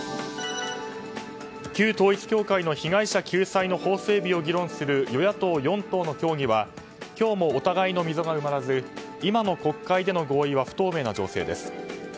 旧統一教会の被害者救済の法整備を議論する与野党４党の協議は今日もお互いの溝が埋まらず今の国会での合意は不透明な情勢です。